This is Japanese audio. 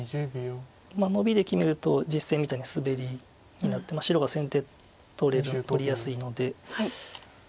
ノビで決めると実戦みたいにスベリになって白が先手取れる取りやすいので。